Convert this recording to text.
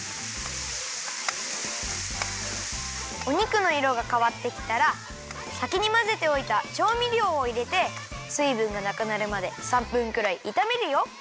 お肉のいろがかわってきたらさきにまぜておいたちょうみりょうをいれてすいぶんがなくなるまで３分くらいいためるよ。